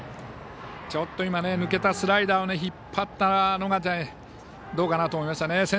ちょっと今抜けたスライダーを引っ張ったのがどうかなと思いましたね。